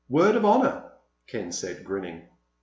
"Word of honor," Ken said, grinning.